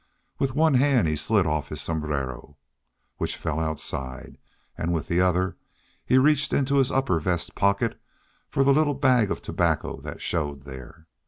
With one hand he slid off his sombrero, which fell outside, and with the other he reached in his upper vest pocket for the little bag of tobacco that showed there.